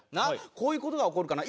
こういう事が起こるかな？